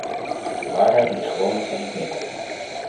De waarheid ligt gewoonlijk in het midden.